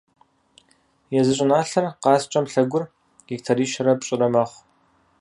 Езы щӏыналъэр, «Къаскӏэм лъэгур», гектарищэрэ пщӏырэ мэхъу.